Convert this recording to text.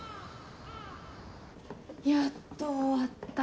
やっと終わった。